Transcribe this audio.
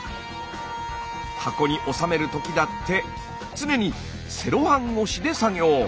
箱におさめる時だって常にセロハン越しで作業。